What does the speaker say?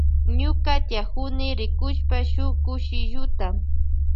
Ñuka tiyakuni rkushp shuk kushilluta.